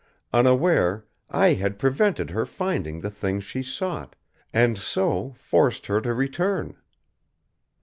Unaware, I had prevented her finding the thing she sought, and so forced her to return.